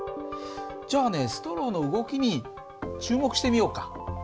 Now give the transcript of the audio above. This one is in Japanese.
じゃあねストローの動きに注目してみようか。